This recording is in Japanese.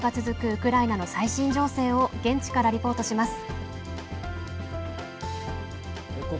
ウクライナの最新情勢を現地からリポートします。